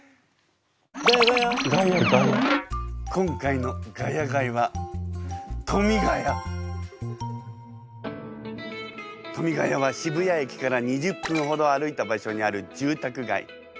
今回の「ヶ谷街」は富ヶ谷は渋谷駅から２０分ほど歩いた場所にある住宅街。